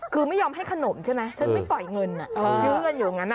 คือไม่ยอมให้ขนมใช่ไหมไม่ปล่อยเงิน